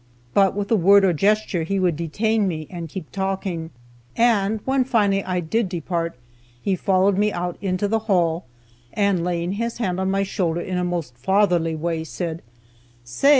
But with a word or gesture he would detain me, and keep talking. And when I finally did depart, he followed me out into the hall, and laying his hand on my shoulder in a most fatherly way, said, "Say!